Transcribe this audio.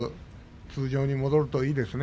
早く通常に戻るといいですね。